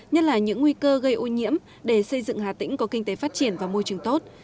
nhất là những nguy cơ gây ô nhiễm để xây dựng hà tĩnh có kinh tế phát triển và môi trường tốt